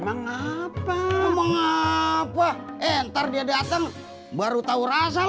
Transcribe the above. minta cendol satu